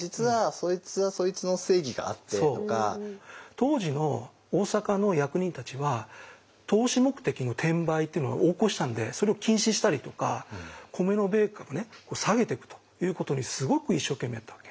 当時の大坂の役人たちは投資目的の転売っていうのが横行してたんでそれを禁止したりとか米の米価をね下げてくということにすごく一生懸命だったわけ。